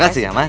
gak sih ya mas